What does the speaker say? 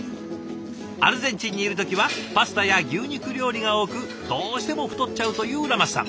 アルゼンチンにいる時はパスタや牛肉料理が多くどうしても太っちゃうというラマスさん。